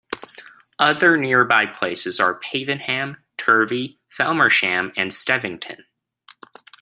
Other nearby places are Pavenham, Turvey, Felmersham, and Stevington.